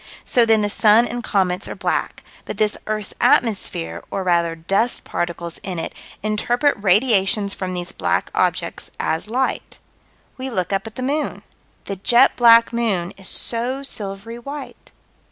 So then the sun and comets are black, but this earth's atmosphere, or, rather, dust particles in it, interpret radiations from these black objects as light. We look up at the moon. The jet black moon is so silvery white.